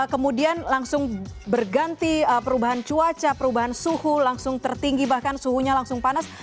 kemudian langsung berganti perubahan cuaca perubahan suhu langsung tertinggi bahkan suhunya langsung panas